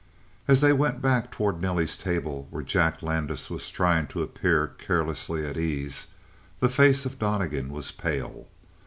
21 As they went back, toward Nelly's table, where Jack Landis was trying to appear carelessly at ease, the face of Donnegan was pale.